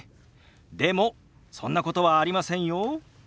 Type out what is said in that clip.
でもそんなことはありませんよ。